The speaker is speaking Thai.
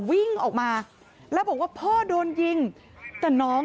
พอลูกเขยกลับเข้าบ้านไปพร้อมกับหลานได้ยินเสียงปืนเลยนะคะ